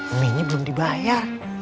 emi nya belum dibayar